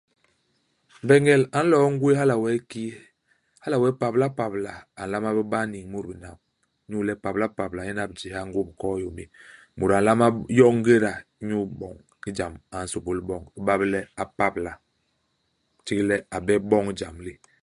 Mbeñel a nloo ngwéé hala wee kii ? Hala wee pablapabla a nlama bé ba i niñ i mut binam. Inyu le pablapabla ñyen a bijéha ngômb koo yômi. Mut a nlama b yoñ ngéda iñyu iboñ ijam a nsômbol boñ, i ba bé le a pabqla. Itig le a bep boñ ijam li.